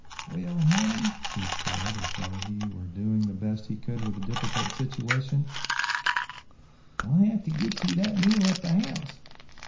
"Well, honey," he said, as though he were doing the best he could with a difficult situation, "I'll have to git you that meal at the house.